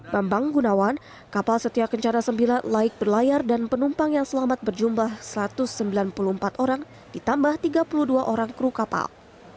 bambang gunawan kapal setia kencana sembilan laik berlayar dan penumpang yang selamat berjumlah satu ratus sembilan puluh empat orang ditambah tiga puluh dua orang kru kapal